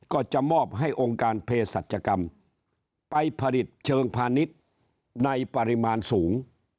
ก็จะมอบให้องค์การเพศสัจกรรมไปผลิตเชิงพาณิชย์ในปริมาณสูง